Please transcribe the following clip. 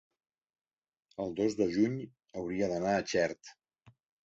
El dos de juny hauria d'anar a Xert.